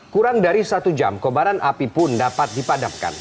kurang dari satu jam kebaran api pun dapat dipadamkan